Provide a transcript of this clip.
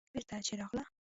بېرته چې راغله.